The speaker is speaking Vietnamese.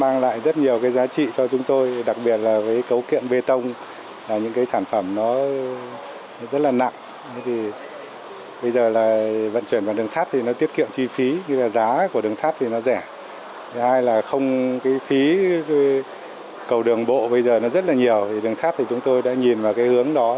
nhưng phí cầu đường bộ bây giờ rất nhiều đường sắt chúng tôi đã nhìn vào hướng đó